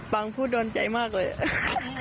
บางผู้โดนใจมากเลย